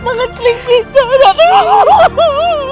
makan selingkuh itu